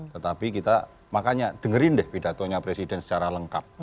tetapi kita makanya dengerin deh pidatonya presiden secara lengkap